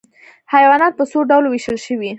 حیوانات په څو ډلو ویشل شوي؟